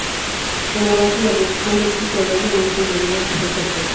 Por lo tanto, la reducción de Chi cuadrado no es un diagnóstico certero.